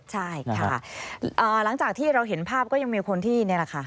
ใช่ค่ะหลังจากที่เราเห็นภาพก็ยังมีคนที่นี่แหละค่ะ